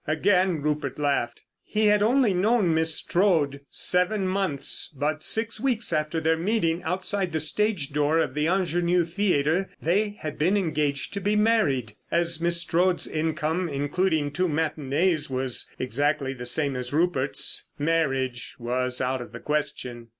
Again Rupert laughed. He had only known Miss Strode seven months, but six weeks after their meeting outside the stage door of the Ingenue Theatre they had been engaged to be married. As Miss Strode's income—including two matinees—was exactly the same as Rupert's, marriage was out of the question.